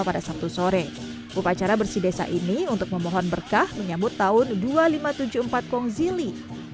pada sabtu sore upacara bersih desa ini untuk memohon berkah menyambut tahun dua ribu lima ratus tujuh puluh empat kongzili